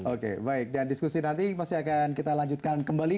oke baik dan diskusi nanti masih akan kita lanjutkan kembali